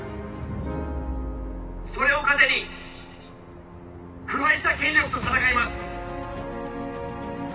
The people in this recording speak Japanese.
それを糧に腐敗した権力と闘います。